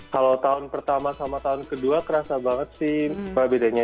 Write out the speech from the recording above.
kalau tahun pertama sama tahun kedua kerasa banget sih perbedaannya